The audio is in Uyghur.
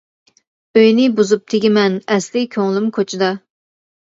ئۆينى بۇزۇپ تېگىمەن، ئەسلى كۆڭلۈم كوچىدا.